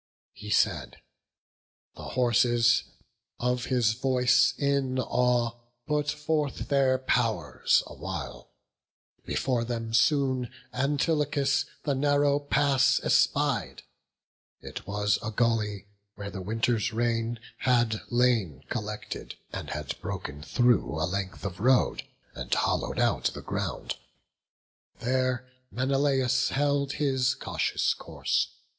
He said; the horses, of his voice in awe, Put forth their pow'rs awhile; before them soon Antilochus the narrow pass espied. It was a gully, where the winter's rain Had lain collected, and had broken through A length of road, and hollow'd out the ground: There Menelaus held his cautious course.